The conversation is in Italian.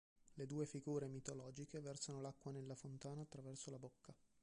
Le due figure mitologiche versano l'acqua nella fontana attraverso la bocca.